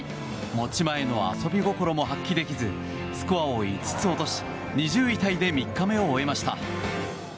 持ち前の遊び心も発揮できずスコアを５つ落とし２０位タイで３日目を終えました。